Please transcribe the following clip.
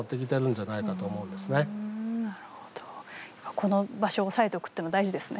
この場所を押さえておくというのは大事ですね。